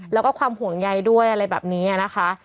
แล้วก็ความห่วงใยด้วยอะไรแบบนี้นะคะ